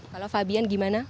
kalau fabian gimana